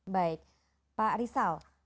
baik pak arisal